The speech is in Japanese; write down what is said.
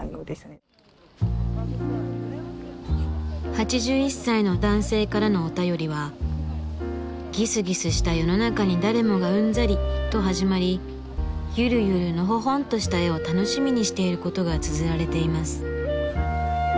８１歳の男性からのお便りは「ギスギスした世の中に誰もがうんざり」と始まりゆるゆるのほほんとした絵を楽しみにしていることがつづられています。